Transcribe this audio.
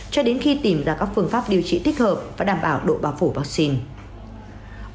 cho đến khi tìm ra các phương pháp điều trị thích hợp và đảm bảo độ bà phủ vaccine